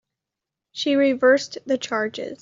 She reversed the charges.